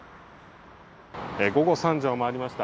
午後３時を回りました。